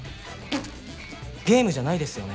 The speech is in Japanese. ゲームじゃないですよね？